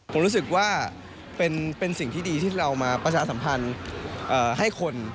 ผมรู้สึกว่าเป็นสิ่งที่ดีที่เรามาประชาสัมพันธ์ให้คน